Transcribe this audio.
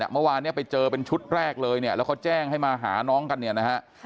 เมื่อวานเนี่ยไปเจอเป็นชุดแรกเลยเนี่ยแล้วเขาแจ้งให้มาหาน้องกันเนี่ยนะฮะ